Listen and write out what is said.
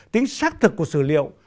tính xác thực của sử liệu